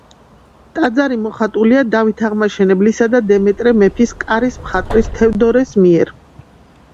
ტაძარი მოხატულია დავით აღმაშენებლისა და დემეტრე მეფის კარის მხატვრის თევდორეს მიერ.